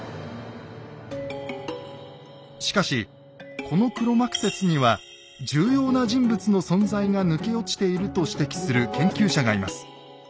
しかしこの黒幕説には重要な人物の存在が抜け落ちていると指摘する研究者がいます。